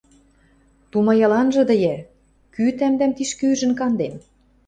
Тумаял анжыда йӓ: кӱ тӓмдӓм тишкӹ ӱжӹн канден?